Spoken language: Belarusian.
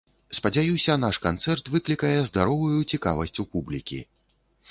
Спадзяюся, наш канцэрт выклікае здаровую цікавасць у публікі.